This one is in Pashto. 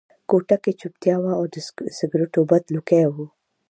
کوټه کې چوپتیا وه او د سګرټو بد لوګي وو